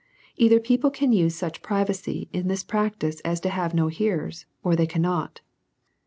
Either people can use such privacy in this practise, as to have no hearers, or they cannot.